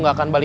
hati di jalan